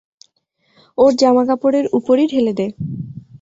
ওর জামাকাপড়ের উপরই ঢেলে দে।